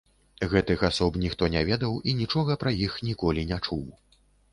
Гэтых асоб ніхто не ведаў і нічога пра іх ніколі не чуў.